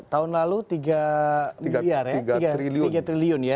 tahun lalu tiga triliun